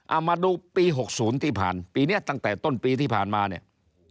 เอามาดูปี๖๐ที่ผ่านปีนี้ตั้งแต่ต้นปีที่ผ่านมาเนี่ย